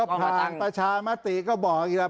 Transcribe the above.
ผ่านประชามติก็บอกอีกแล้ว